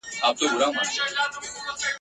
دومره ښه او لوړ آواز وو خدای ورکړی !.